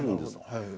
はい。